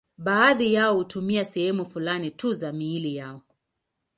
Baadhi yao hutumia sehemu fulani tu za miili yao.